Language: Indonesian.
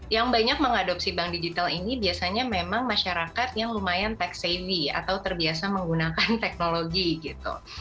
yang banyak mengadopsi bank digital ini biasanya memang masyarakat yang lumayan tax savy atau terbiasa menggunakan teknologi gitu